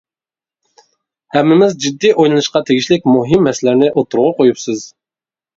ھەممىمىز جىددىي ئويلىنىشقا تېگىشلىك مۇھىم مەسىلىلەرنى ئوتتۇرىغا قويۇپسىز.